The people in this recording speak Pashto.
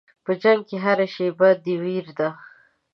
په جنګ کې هره شېبه د وېرې ده.